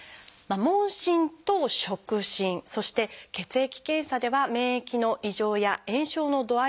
「問診と触診」そして「血液検査」では免疫の異常や炎症の度合いを調べます。